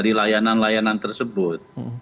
pembelian layanan layanan tersebut